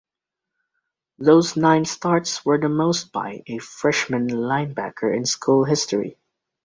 Those nine starts were the most by a freshman linebacker in school history.